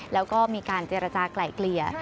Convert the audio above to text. แล้วก็มีการเจรจากลายเกลี่ย